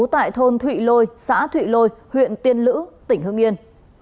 tại thôn thụy lôi xã thụy lôi huyện tiên lữ tỉnh hương yên